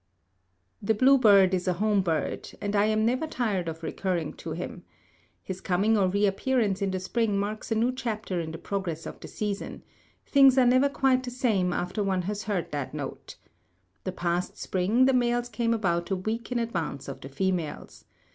The bluebird is a home bird, and I am never tired of recurring to him. His coming or reappearance in the spring marks a new chapter in the progress of the season; things are never quite the same after one has heard that note. The past spring the males came about a week in advance of the females.